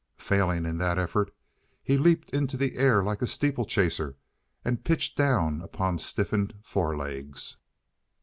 Failing in that effort, he leaped into the air like a steeplechaser and pitched down upon stiffened forelegs.